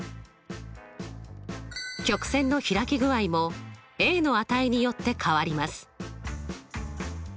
曲線の開き具合もの値によって変わります。